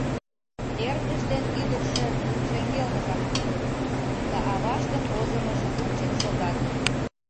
Эргыж ден ӱдыржӧ шеҥгелныжак улыт да аваштын возымыжым ончен шогат.